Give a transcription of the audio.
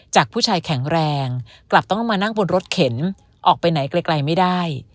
จากผู้ชายแข็งแรงกลับต้องมานั่งบนรถเข็นออกไปไหนไกลไม่ได้